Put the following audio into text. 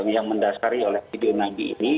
yang mendasari oleh video nabi ini